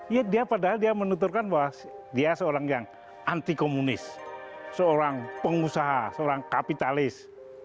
ya dia padahal dia menuturkan bahwa dia seorang yang anti komunis seorang pengusaha seorang kapitalis